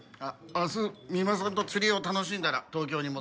明日三馬さんと釣りを楽しんだら東京に戻ります。